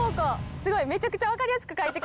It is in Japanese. すごい。